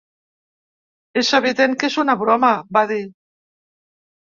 És evident que és una broma, va dir.